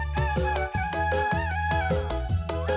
nyaris menemburuk nyawa